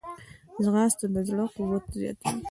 ځغاسته د زړه قوت زیاتوي